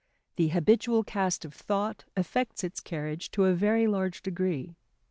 The habitual cast of thought affects its carriage to a very large degree.